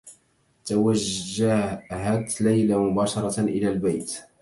توجّهت ليلى مباشرة إلى البيت.